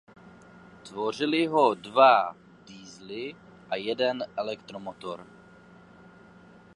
Tvořily ho dva diesely a jeden elektromotor.